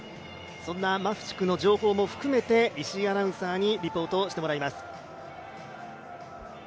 そんなマフチクの情報も含めて石井アナウンサーにリポートをしてもらいます。